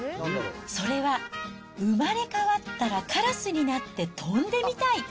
それは、生まれ変わったらカラスになって飛んでみたい。